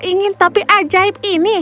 kau ingin topi ajaib ini